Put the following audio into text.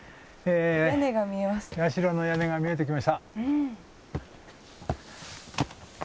社の屋根が見えてきました。